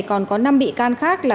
còn có năm bị can khác là